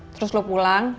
terus lu pulang